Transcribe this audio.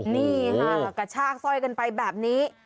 นี่ค่ะกระชากสร้อยกันไปแบบนี้